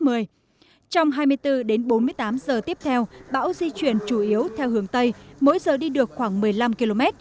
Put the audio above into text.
dự báo trong bốn mươi tám h tiếp theo bão di chuyển chủ yếu theo hướng tây mỗi giờ đi được khoảng một mươi năm km